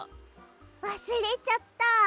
わすれちゃった。